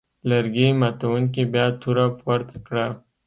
لرګي ماتوونکي بیا توره پورته کړه.